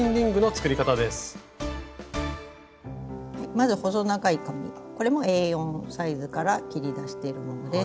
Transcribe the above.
まず細長い紙これもＡ４サイズから切り出しているものです。